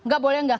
gak boleh enggak